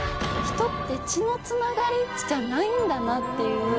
人って血のつながりじゃないんだなっていう。